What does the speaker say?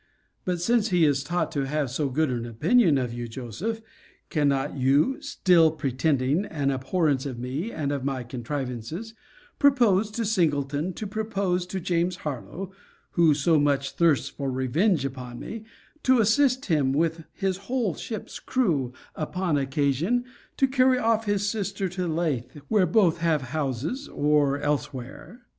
But since he is taught to have so good an opinion of you, Joseph, cannot you (still pretending an abhorrence of me, and of my contrivances) propose to Singleton to propose to James Harlowe (who so much thirsts for revenge upon me) to assist him, with his whole ship's crew, upon occasion, to carry off his sister to Leith, where both have houses, or elsewhere?